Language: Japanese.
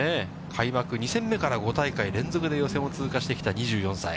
開幕２戦目から５大会連続で予選を通過してきた２４歳。